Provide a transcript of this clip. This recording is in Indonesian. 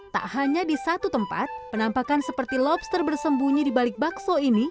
tak hanya di satu tempat penampakan seperti lobster bersembunyi di balik bakso ini